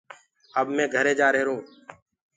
اب مي گھري جآهيرونٚ